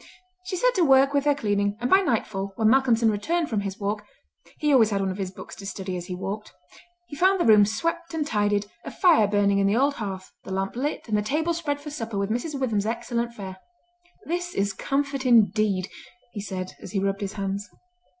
She set to work with her cleaning; and by nightfall, when Malcolmson returned from his walk—he always had one of his books to study as he walked—he found the room swept and tidied, a fire burning in the old hearth, the lamp lit, and the table spread for supper with Mrs. Witham's excellent fare. "This is comfort, indeed," he said, as he rubbed his hands.